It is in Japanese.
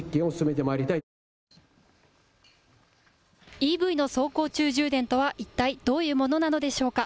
ＥＶの走行中充電とは一体どういうものなのでしょうか。